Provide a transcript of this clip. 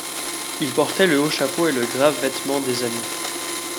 Il portait le haut chapeau et le grave vêtement des amis.